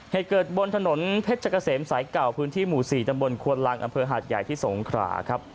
เหตุเกิดบนถนนเพชรเกษมสายเก่าพื้นที่หมู่๔ตำบลควนลังอำเภอหาดใหญ่ที่สงขราครับ